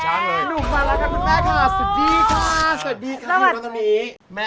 อ้าวมาแล้ว